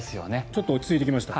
ちょっと落ち着いてきました。